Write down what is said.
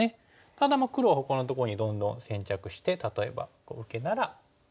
ただ黒はほかのところにどんどん先着して例えばこう受けなら。